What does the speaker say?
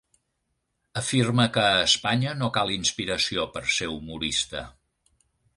Afirma que a Espanya no cal inspiració per a ser humorista.